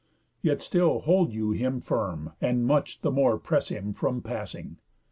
Yet still hold you him firm, and much the more Press him from passing.